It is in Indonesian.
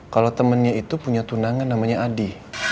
kalau temennya itu punya tunangan namanya adi